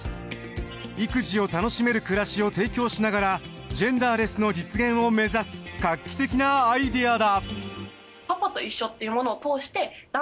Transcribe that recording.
育児を楽しめる暮らしを提供しながらジェンダーレスの実現を目指す画期的なアイデアだ。